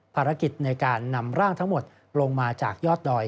ภารกิจในการนำร่างทั้งหมดลงมาจากยอดดอย